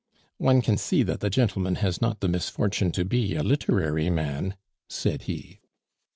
"One can see that the gentleman has not the misfortune to be a literary man," said he.